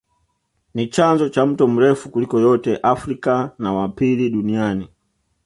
Ni chanzo cha mto mrefu kuliko yote Afrika na wa pili Duniani